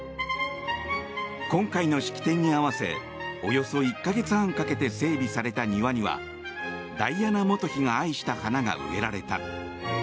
今回の式典に合わせおよそ１か月半かけて整備された庭にはダイアナ元妃が愛した花が植えられた。